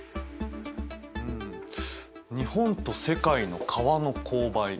日本と世界の川の勾配。